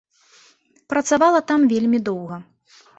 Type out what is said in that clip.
Працавала там вельмі доўга.